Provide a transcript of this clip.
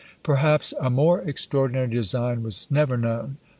Perhaps a more extraordinary design was never known.